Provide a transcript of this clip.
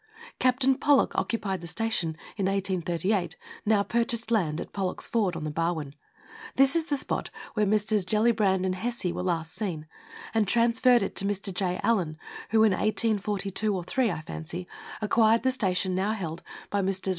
Captain Pollock occupied the station, in 1838, (now purchased land) at Pollock's Ford, on the Barwon this is the spot where Messrs. Gellibrand and Hesse were last seen and transferred it to Mr. J. Allan, who, in 1842 3, I fancy, acquired the station now held by Messrs.